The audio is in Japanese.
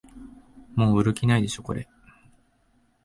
もう売る気ないでしょこれ